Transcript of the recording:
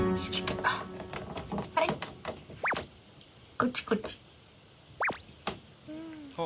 はいこっちこっち。